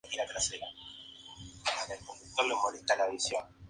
Tomó parte en numerosas acciones navales, incluyendo el combate de los Pozos.